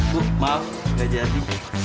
bu maaf nggak jadi